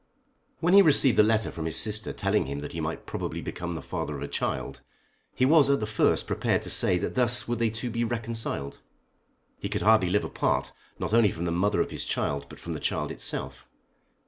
When he received the letter from his sister telling him that he might probably become the father of a child, he was at the first prepared to say that thus would they two be reconciled. He could hardly live apart, not only from the mother of his child, but from the child itself.